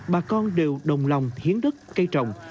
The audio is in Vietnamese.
bà con đều đồng lòng hiến đất cây trồng